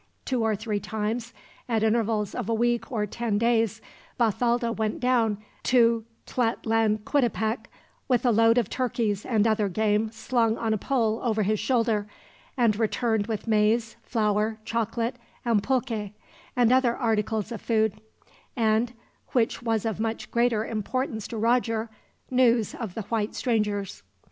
Two or three times, at intervals of a week or ten days, Bathalda went down to Tlatlanquitepec, with a load of turkeys and other game slung on a pole over his shoulder, and returned with maize, flour, chocolate, and pulque, and other articles of food; and which was of much greater importance to Roger news of the white strangers.